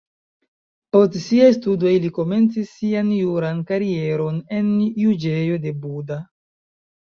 Post siaj studoj li komencis sian juran karieron en juĝejo de Buda.